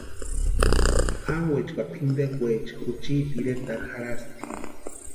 Jankwaecha ka pʼintekwaecha juchiti iretarhu jarhasti.